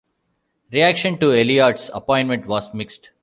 Reaction to Elliott's appointment was mixed.